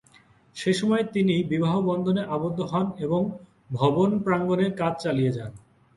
সেই সময়ে তিনি বিবাহবন্ধনে আবদ্ধ হন এবং ভবন প্রাঙ্গনে কাজ চালিয়ে যান।